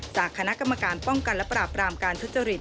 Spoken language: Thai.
จากคณะกรรมการป้องกันและปราบรามการทุจริต